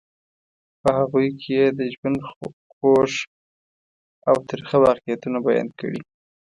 په هغوی کې یې د ژوند خوږ او ترخه واقعیتونه بیان کړي.